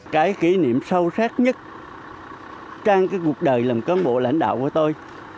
cái kỷ niệm sâu sắc nhất trong cái cuộc đời làm cán bộ lãnh đạo của tôi